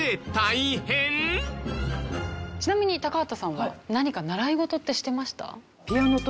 ちなみに高畑さんは何か習い事ってしてました？